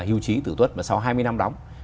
hưu trí tử tuất và sau hai mươi năm đóng